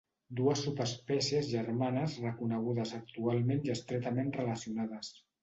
Dues subespècies germanes reconegudes actualment i estretament relacionades.